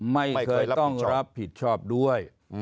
ไม่เคยต้องรับผิดชอบด้วย